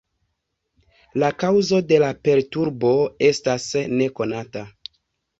La kaŭzo de la perturbo estas nekonata.